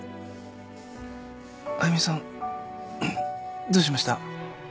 あゆみさんどうしました？